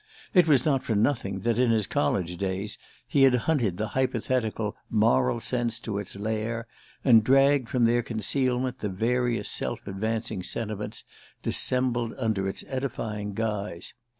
It was not for nothing that, in his college days, he had hunted the hypothetical "moral sense" to its lair, and dragged from their concealment the various self advancing sentiments dissembled under its edifying guise.